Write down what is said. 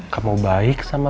kamu baik sama